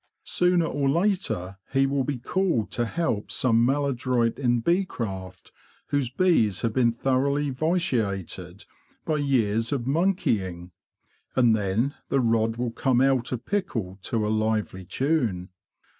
Sooner or later he will be called to help some maladroit in bee craft, whose bees have been thoroughly vitiated by years of " monkeying."' And then the rod will come out of pickle to a lively tune.